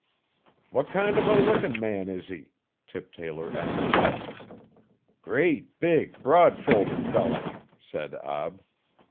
'What kind of a lookin' man is he?' Tip Taylor asked. 'Great, big, broad shouldered feller,' said Ab.